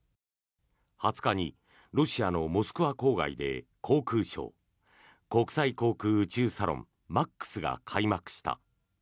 ２０日にロシアのモスクワ郊外で航空ショー国際航空宇宙サロン・ＭＡＫＳが開幕した。